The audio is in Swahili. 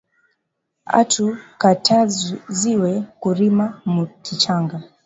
Atu kataziwe ku rima mu kichanga